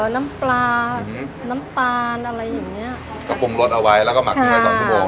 น้ำปลาน้ำตาลอะไรอย่างเงี้ยก็ปรุงรสเอาไว้แล้วก็หมักทิ้งไว้สองชั่วโมง